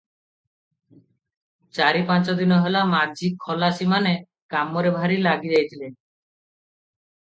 ଚାରି ପାଞ୍ଚ ଦିନ ହେଲା ମାଝି ଖଲାସିମାନେ କାମରେ ଭାରି ଲାଗି ଯାଇଥିଲେ ।